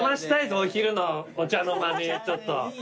お昼のお茶の間でちょっと。